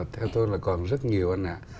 theo tôi là còn rất nhiều anh ạ